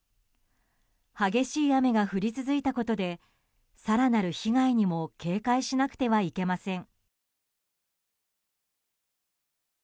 激しい雨が降り続いたことで更なる被害にも警戒しなくてはいけません。